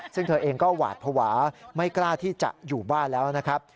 ซึ่งเธอเองก็หวาดภาวะไม่กล้าที่จะอยู่บ้านแล้วนะครับ